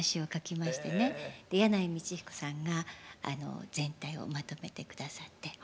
で箭内道彦さんが全体をまとめて下さって。